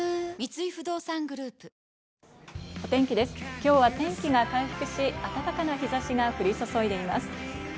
今日は天気が回復し、暖かな日差しが降り注いでいます。